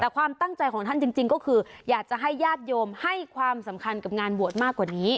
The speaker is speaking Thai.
แต่ความตั้งใจของท่านจริงก็คืออยากจะให้ญาติโยมให้ความสำคัญกับงานบวชมากกว่านี้